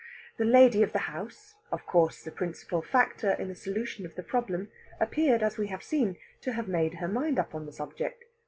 The lady of the house of course the principal factor in the solution of the problem appeared, as we have seen, to have made up her mind on the subject.